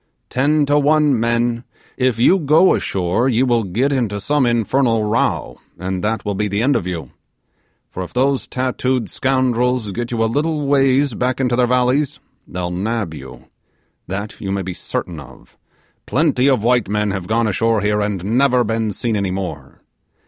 Ten to one, men, if you go ashore, you will get into some infernal row, and that will be the end of you; for if those tattooed scoundrels get you a little ways back into their valleys, they'll nab you that you may be certain of. Plenty of white men have gone ashore here and never been seen any more.